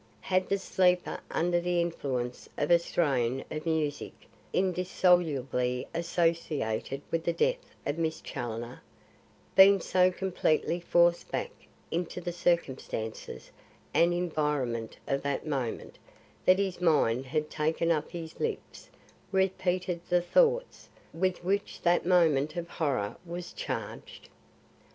Had the sleeper under the influence of a strain of music indissolubly associated with the death of Miss Challoner, been so completely forced back into the circumstances and environment of that moment that his mind had taken up and his lips repeated the thoughts with which that moment of horror was charged?